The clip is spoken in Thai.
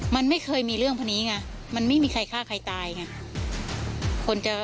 มันไม่เคยมีเรื่องพวกนี้ไงมันไม่มีใครฆ่าใครตายไง